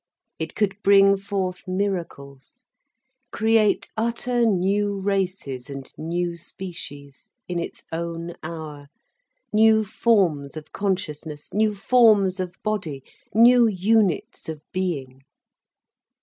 It could bring forth miracles, create utter new races and new species, in its own hour, new forms of consciousness, new forms of body, new units of being.